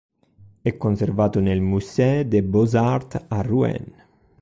È conservato nel Musée des Beaux-Arts a Rouen.